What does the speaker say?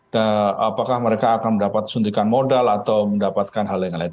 dan apakah mereka akan mendapat suntikan modal atau mendapatkan hal lain hal lain